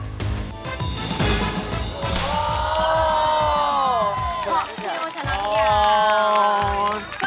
โอ้โฮ